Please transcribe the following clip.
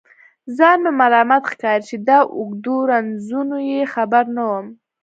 ځان مې ملامت ښکاري چې د اوږدو رنځونو یې خبر نه وم.